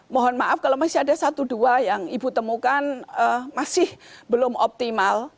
mohon maaf kalau masih ada satu dua yang ibu temukan masih belum optimal